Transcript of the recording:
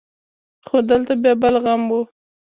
خو دلته بيا بل غم و.